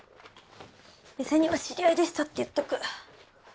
店には知り合いでしたって言っとく。